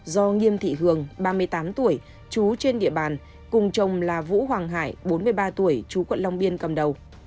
do nghiêm thị hường ba mươi tám tuổi chú trên địa bàn cùng chồng là vũ hoàng hải bốn mươi ba tuổi chú quận long biên cầm đầu